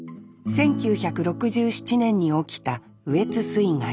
１９６７年に起きた羽越水害。